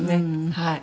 はい。